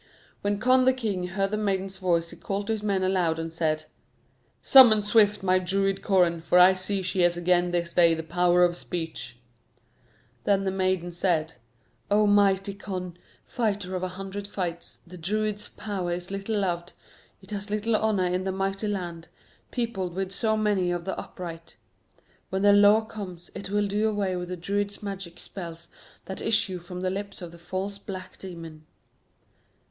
When Conn the king heard the maiden's voice he called to his men aloud and said: "Summon swift my Druid Coran, for I see she has again this day the power of speech." Then the maiden said: "O mighty Conn, Fighter of a Hundred Fights, the Druid's power is little loved; it has little honour in the mighty land, peopled with so many of the upright. When the Law comes, it will do away with the Druid's magic spells that issue from the lips of the false black demon."